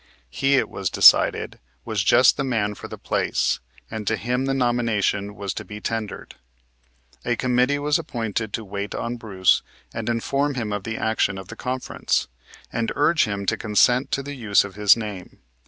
He, it was decided, was just the man for the place, and to him the nomination was to be tendered. A committee was appointed to wait on Mr. Bruce and inform him of the action of the conference, and urge him to consent to the use of his name.